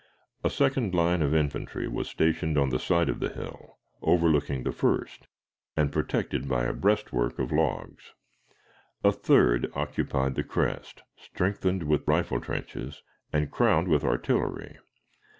A second line of infantry was stationed on the side of the hill, overlooking the first, and protected by a breastwork of logs. A third occupied the crest, strengthened with rifle trenches, and crowned with artillery.